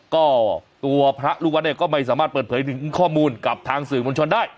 ก็ตัวพระลูกวัดเนี่ยก็ไม่สามารถเปิดเผยถึงข้อมูลกับทางสื่อมวลชนได้